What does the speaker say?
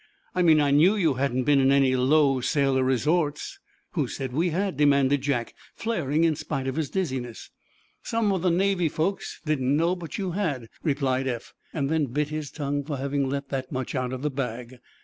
"I mean, I knew you hadn't been in any low sailor resorts." "Who said we had?" demanded Jack, flaring in spite of his dizziness. "Some of the Navy folks didn't know but you had," replied Eph, then bit his tongue for having let that much out of the bag.